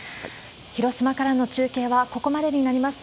広島からの中継はここまでになります。